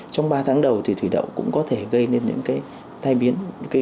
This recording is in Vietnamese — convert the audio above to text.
trong ba tháng đầu thì thủy đậu cũng có thể gây nên những cái tai biến